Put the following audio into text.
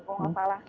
kalau nggak salah